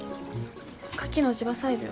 カキの地場採苗。